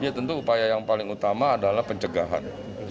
ya tentu upaya yang paling utama adalah pencegahan